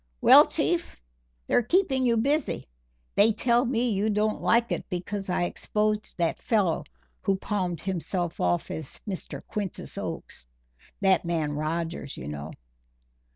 "Well, Chief, they're keeping you busy. They tell me you don't like it because I exposed that fellow who palmed himself off as Mr. Quintus Oakes that man Rogers, you know."